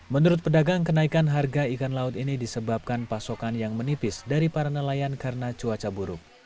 menurut pedagang kenaikan harga ikan laut ini disebabkan pasokan yang menipis dari para nelayan karena cuaca buruk